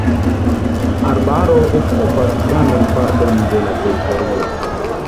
Arbaro okupas grandan parton de la teritorio.